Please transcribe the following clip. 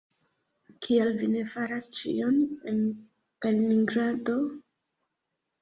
Kial vi ne faras ĉion en Kaliningrado?